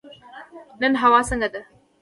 نن هوا څنګه ده؟